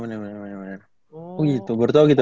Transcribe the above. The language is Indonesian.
bener bener oh gitu baru tau gitu